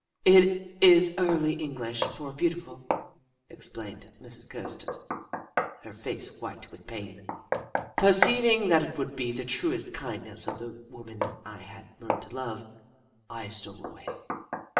"It is early English for 'beautiful,'" ex plained Mrs. Kirsten, her face white with pain. Perceiving that it would be the truest kind ness to the woman I had learned to love, I stole away.